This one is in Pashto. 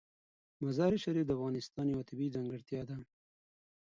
مزارشریف د افغانستان یوه طبیعي ځانګړتیا ده.